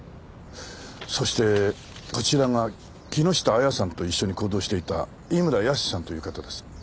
そしてこちらが木下亜矢さんと一緒に行動していた井村泰さんという方です。